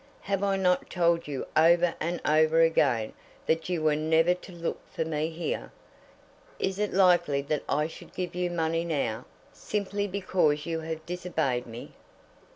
Have I not told you over and over again that you were never to look for me here? Is it likely that I should give you money now, simply because you have disobeyed me!"